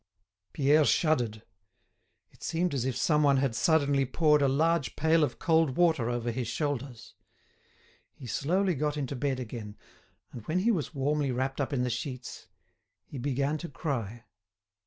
Pierre shuddered. It seemed as if some one had suddenly poured a large pail of cold water over his shoulders. He slowly got into bed again, and when he was warmly wrapped up in the sheets, he began to cry.